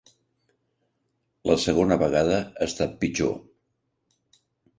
La segona vegada ha estat pitjor.